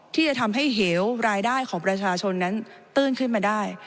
ที่จะทำให้เหวรายได้ของประชาชนนั้นตื้นขึ้นมาได้